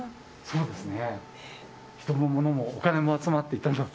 そうですね。